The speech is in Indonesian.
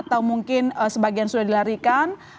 atau mungkin sebagian sudah dilarikan